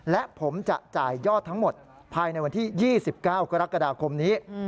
และผมจะจ่ายยอดทั้งหมดภายในวันที่๒๙กรกฎาคมนี้